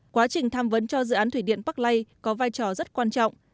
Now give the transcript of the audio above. quá trình tham vấn cho dự án thủy điện bắc lay có vai trò rất quan trọng